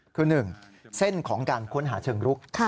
คือ๑เส้นของการค้นหาเชิงรุก